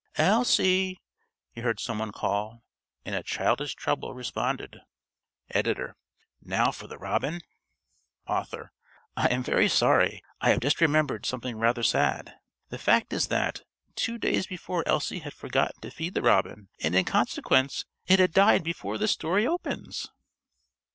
"Elsie," he heard some one call, and a childish treble responded. (~Editor.~ Now for the robin. ~Author.~ _I am very sorry. I have just remembered something rather sad. The fact is that, two days before, Elsie had forgotten to feed the robin, and in consequence it had died before this story opens.